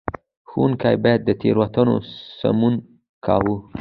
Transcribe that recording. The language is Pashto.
ښوونکي به د تېروتنو سمون کاوه.